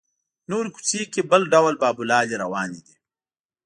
نورې کوڅې کې بل ډول بابولالې روانې دي.